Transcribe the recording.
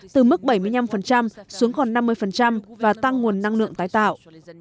từ mức bảy mươi năm xuống còn năm mươi và tăng nguồn năng lượng tái tạo